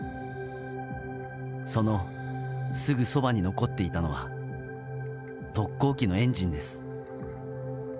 そのすぐそばに残っていたのは特攻機のエンジンです。